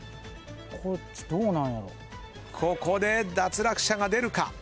ここで脱落者が出るか？